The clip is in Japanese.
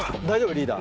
リーダー。